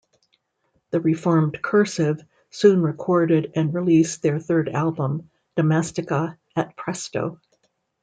The re-formed Cursive soon recorded and released their third album, "Domestica," at Presto!